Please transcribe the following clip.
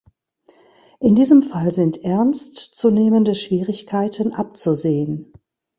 In diesem Fall sind ernst zu nehmende Schwierigkeiten abzusehen.